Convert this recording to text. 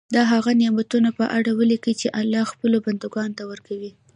د هغه نعمتونو په اړه ولیکي چې الله خپلو بندګانو ته ورکوي.